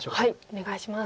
お願いします。